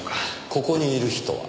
ここにいる日とは？